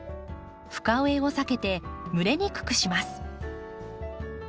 深植えを避けて蒸れにくくします。